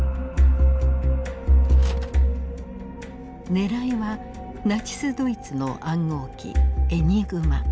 ねらいはナチス・ドイツの暗号機エニグマ。